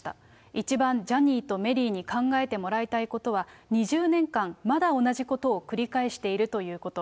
一番ジャニーとメリーに考えてもらいたいことは、２０年間、まだ同じことを繰り返しているということ。